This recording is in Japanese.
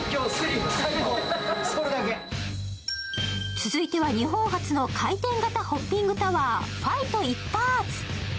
続いては日本初の回転型ホッピングタワー、ファイトイッパーツ！